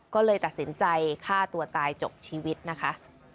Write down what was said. ก็เลยตัดสินใจฆ่าตัวตายจบชีวิตนะคะ